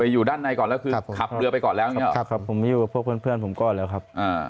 อยู่ด้านในก่อนแล้วคือขับเรือไปก่อนแล้วผมอยู่กับเพื่อนผมก้อนแล้วครับ